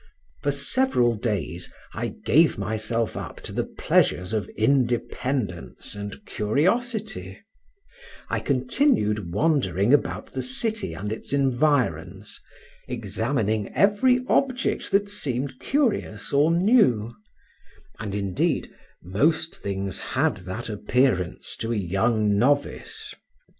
For several days I gave myself up to the pleasures of independence and curiosity; I continued wandering about the city and its environs, examining every object that seemed curious or new; and, indeed, most things had that appearance to a young novice.